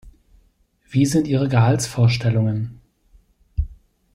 Wie sind Ihre Gehaltsvorstellungen?